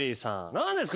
何ですか？